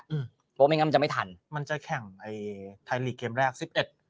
อืมเพราะว่าไม่งั้นมันจะไม่ทันมันจะแข่งไอ้ไทยลีกเกมแรกสิบเอ็ด